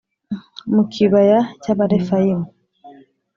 mu kibaya cy’Abarefayimu: